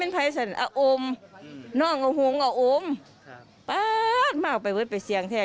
ป๊าดมาออกไปเวิดไปเสียงแท้